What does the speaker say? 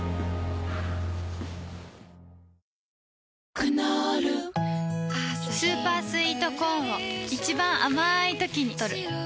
クノールスーパースイートコーンを一番あまいときにとる